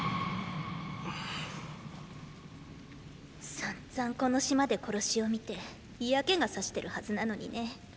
散々この島で殺しを見て嫌気がさしてるハズなのにね。